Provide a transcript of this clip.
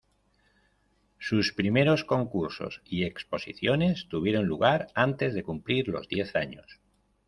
Sus primeros concursos y exposiciones tuvieron lugar antes de cumplir los diez años.